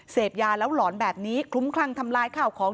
เสพยาแล้วหลอนแบบนี้คลุ้มคลั่งทำลายข้าวของ